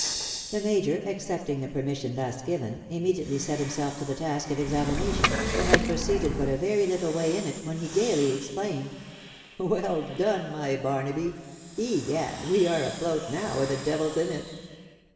The major, accepting the permission thus given, immediately set himself to the task of examination, but had proceeded but a very little way in it, when he gaily exclaimed — "Well done, my Barnaby! Egad, we are afloat now, or the devil's in it."